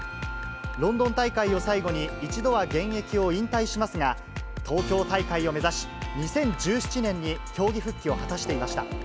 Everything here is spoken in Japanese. ロンドン大会を最後に、一度は現役を引退しますが、東京大会を目指し、２０１７年に競技復帰を果たしていました。